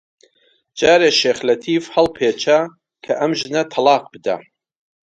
جارێ شێخ لەتیف هەڵیپێچا کە ئەم ژنە تەڵاق بدا